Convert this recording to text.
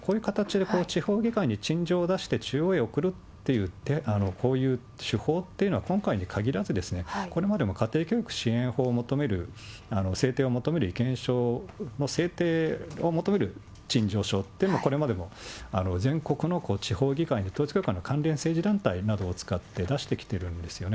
こういう形で、地方議会に陳情を出して、中央へ送るっていう、こういう手法というのは、今回に限らず、これまでも家庭教育支援法を求める、制定を求める意見書の制定を求める陳情書というのもこれまでも全国の地方議会に、地方議会の統一教会の関連政治団体などを使って出しきてるんですよね。